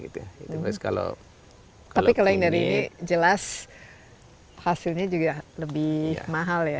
tapi kalau ini jelas hasilnya juga lebih mahal ya